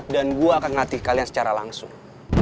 dan gue akan ngatih kalian secara langsung